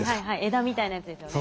枝みたいなやつですよね。